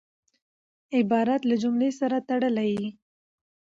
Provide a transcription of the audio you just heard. عبارت له جملې سره تړلی يي.